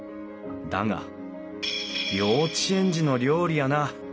だが「幼稚園児の料理やな」